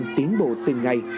đừng tiến bộ từng ngày